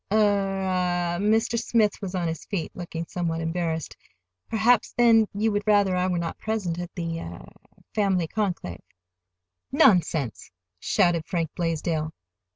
"Er—ah—" Mr. Smith was on his feet, looking somewhat embarrassed; "perhaps, then, you would rather I were not present at the—er—family conclave." "Nonsense!" shouted Frank Blaisdell.